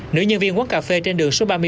nữ nhân viên quán cà phê trên đường số ba mươi bảy